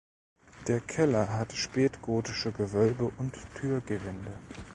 Der Keller hat spätgotische Gewölbe und Türgewände.